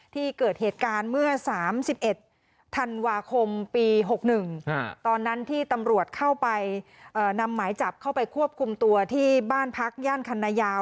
ที่เกิดเหตุการณ์เมื่อ๓๑ธันวาคมปี๖๑ตอนนั้นที่ตำรวจเข้าไปนำหมายจับเข้าไปควบคุมตัวที่บ้านพักย่านคันนายาว